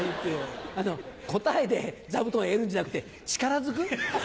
答えで座布団を得るんじゃなくて力ずく？